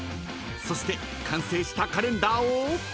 そして完成したカレンダーを］